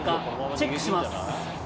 チェックします。